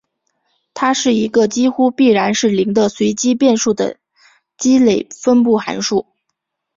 它是一个几乎必然是零的随机变数的累积分布函数。